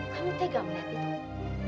kamu tega melihat itu